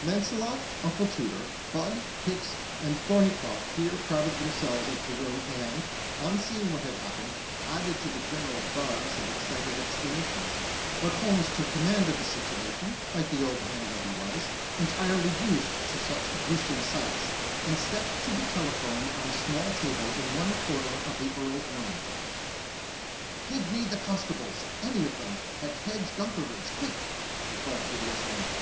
Launcelot, Uncle Tooter, Budd, Hicks and Thorneycroft here crowded themselves into the room and, on seeing what had happened, added to the general buzz of excited exclamations; but Holmes took command of the situation, like the old hand that he was, entirely used to such gruesome sights, and stepped to the telephone on a small table in one corner of the Earl's room. "Give me the village constables, any of them, at Hedge gutheridge, quick!" he called through the instrument.